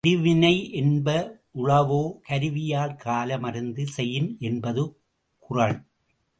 அருவினை என்ப உளவோ கருவியால் காலம் அறிந்து செயின் என்பது குறள்.